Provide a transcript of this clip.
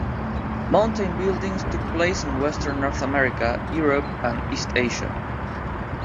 Mountain building took place in western North America, Europe, and East Asia.